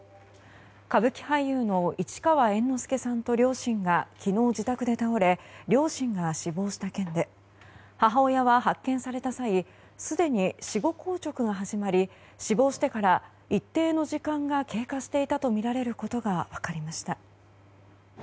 歌舞伎俳優の市川猿之助さんと両親が昨日、自宅で倒れ両親が死亡した件で母親は発見された際すでに死後硬直が始まり死亡してから一定の時間が経過していたとみられることが分かりました。